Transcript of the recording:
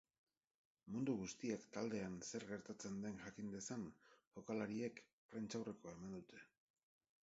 Mundu guztiak taldean zer gertatzen den jakin dezan, jokalariek prentsaurrekoa eman dute.